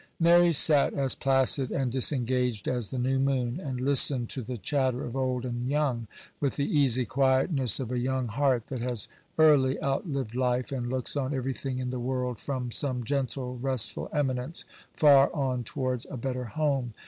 Mary sat as placid and disengaged as the new moon, and listened to the chatter of old and young, with the easy quietness of a young heart that has early outlived life, and looks on everything in the world from some gentle, restful eminence far on towards a better home.